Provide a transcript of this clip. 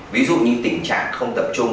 ví dụ như tình trạng không tập trung